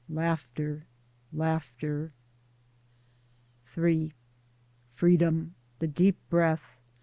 laughter ! laughter ! Ill Freedom ! the deep breath